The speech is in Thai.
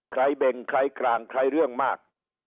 เบ่งใครกลางใครเรื่องมาก